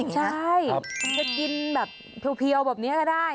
ใช่จะกินแบบเพียวแบบนี้ก็ได้